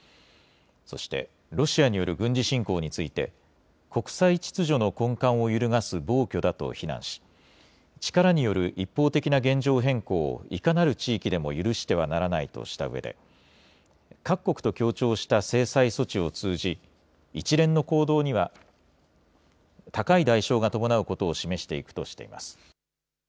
そして、ロシアによる軍事侵攻について、国際秩序の根幹を揺るがす暴挙だと非難し、力による一方的な現状変更をいかなる地域でも許してはならないとしたうえで、各国と協調した制裁措置を通じ、一連の行動には高い代償が伴うことを示していくとしています。